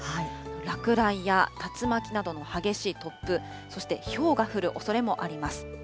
落雷や竜巻などの激しい突風、そして、ひょうが降るおそれもあります。